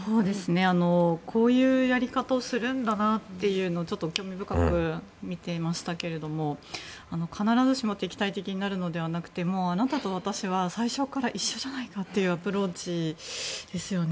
こういうやり方をするんだというのを興味深く見ていましたけど必ずしも敵対的になるのではなくてもうあなたと私は最初から一緒じゃないかというアプローチですよね。